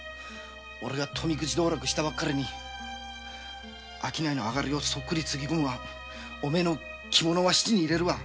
オイラが富くじ道楽したばっかりに商いのあがりをソックリつぎ込むわおめえの着物を質に入れるわ。